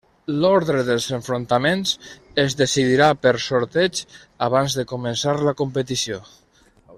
L'ordre dels enfrontaments es decidirà per sorteig abans de començar la competició.